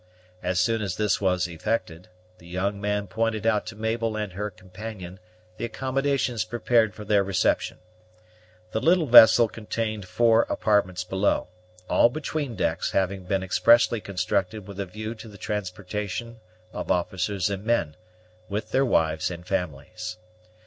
As soon as this was effected, the young man pointed out to Mabel and her companion the accommodations prepared for their reception. The little vessel contained four apartments below, all between decks having been expressly constructed with a view to the transportation of officers and men, with their wives and families.